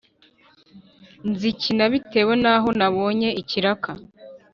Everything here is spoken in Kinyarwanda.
nzikina bitewe n’aho nabonye ikiraka.